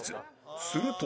すると